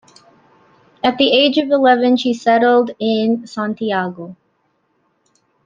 At the age of eleven she settled in Santiago.